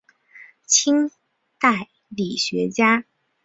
清代理学家。